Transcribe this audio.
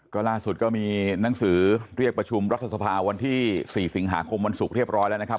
ก็ล่าสุดก็มีหนังสือเรียกประชุมรัฐสภาวันที่๔สิงหาคมวันศุกร์เรียบร้อยแล้วนะครับ